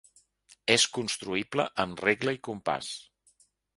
És construïble amb regle i compàs.